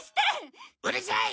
うるさい！